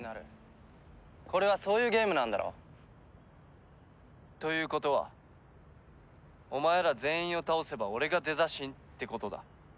これはそういうゲームなんだろ？ということはお前ら全員を倒せば俺がデザ神ってことだ。